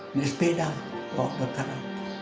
ini sepeda bawa perkara